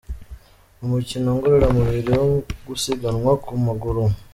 Mu mukino ngororamubiri wo gusiganwa ku maguru.